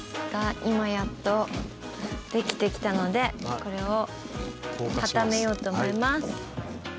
今やっとできてきたのでこれを固めようと思います。